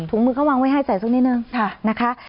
มือเขาวางไว้ให้ใส่สักนิดนึงนะคะ